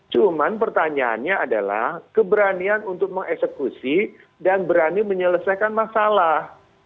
cuma pertanyaannya adalah keberanian untuk mengeksekusi dan berani menyelesaikan masalah